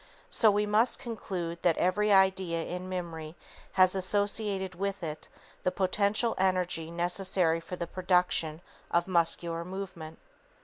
So we must conclude that Every idea in memory has associated with it the potential energy necessary for the production of muscular movement.